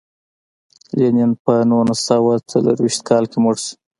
لینین په نولس سوه څلور ویشت کال کې مړ شو.